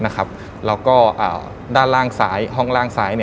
แล้วก็ด้านล่างซ้ายห้องล่างซ้าย